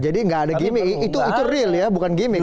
jadi gak ada gimmick itu real ya bukan gimmick ya